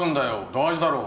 大事だろ。